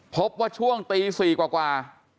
พบว่าช่วงตี๔กว่า